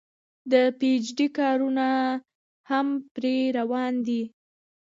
د پي ايچ ډي کارونه هم پرې روان دي